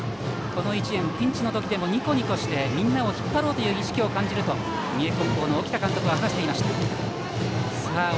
この１年、ピンチのときでもニコニコしてみんなを引っ張ろうという意識を感じると三重高校の沖田監督は話していました。